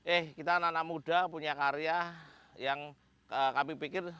eh kita anak anak muda punya karya yang kami pikir